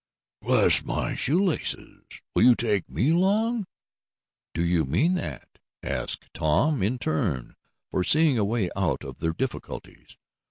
"Bless my shoe laces! Will you take me along?" "Do you mean that?" asked Tom in turn, foreseeing a way out of their difficulties.